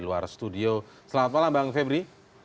luar studio selamat malam bang febri